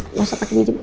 udah pake yang ada aja